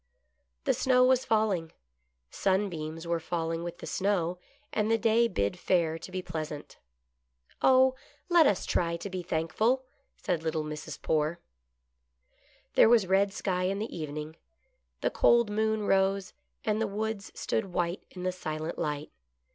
The snow was falling. Sunbeams were falling with the snow, and the day bid fair to be pleasant. " Oh ! let us try to be thankful," said little Mrs. Poore. There was red sky in the evening. The cold moon rose, and the woods stood white in the silent light.